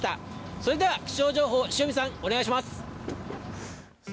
それでは気象情報、塩見さん、お願いします。